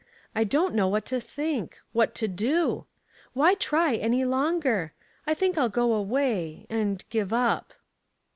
I don't know what to think what to do. Why try any longer? I think I'll go away and give up."